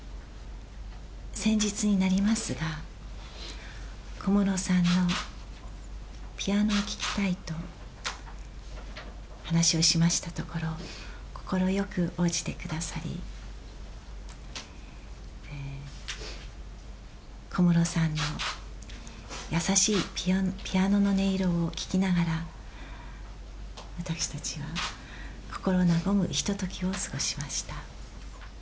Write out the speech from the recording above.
先日になりますが、小室さんのピアノを聴きたいと話をしましたところ、快く応じてくださり、小室さんの優しいピアノの音色を聴きながら、私たちは心和むひとときを過ごしました。